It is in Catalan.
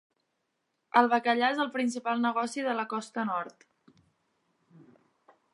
El bacallà és el principal negoci de la costa nord.